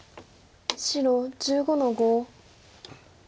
白１５の五。